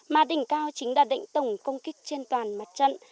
mà đỉnh cao chính là định tổng công kích trên toàn mặt trận